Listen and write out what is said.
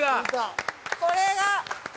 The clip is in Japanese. これが。